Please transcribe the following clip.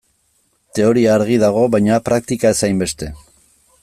Teoria argi dago, baina praktika ez hainbeste.